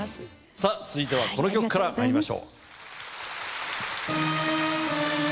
さぁ続いてはこの曲からまいりましょう。